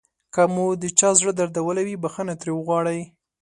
که مو د چا زړه دردولی وي بښنه ترې وغواړئ.